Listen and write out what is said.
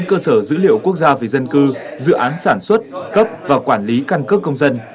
cơ sở dữ liệu quốc gia về dân cư dự án sản xuất cấp và quản lý căn cước công dân